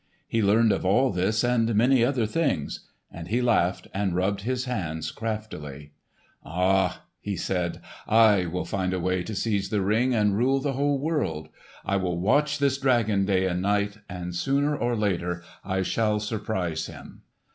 He learned of all this and many other things; and he laughed and rubbed his hands craftily. "Aha!" he said, "I will find a way to seize the Ring and rule the whole world! I will watch this dragon day and night, and sooner or later I shall surprise him."